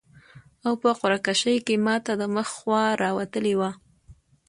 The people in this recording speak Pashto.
او په قرعه کشي کي ماته د مخ خوا راوتلي ده